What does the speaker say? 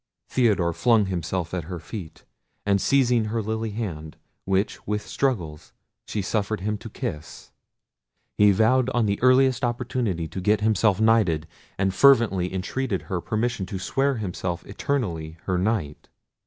Theodore flung himself at her feet, and seizing her lily hand, which with struggles she suffered him to kiss, he vowed on the earliest opportunity to get himself knighted, and fervently entreated her permission to swear himself eternally her knight.